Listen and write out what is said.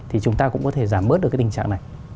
thì chúng ta cũng có thể giảm bớt được cái tình trạng này